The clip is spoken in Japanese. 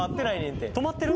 んて止まってる？